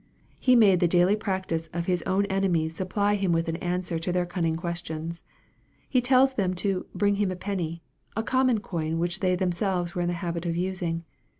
He made the daily practice of His own enemies supply Him with an answer to their cunning questions. He tells them to " bring Him a penny," a common coin which they themselves were in the habit of using.